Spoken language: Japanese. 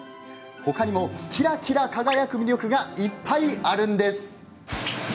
ほかにもキラキラ輝く魅力がいっぱいあるんです。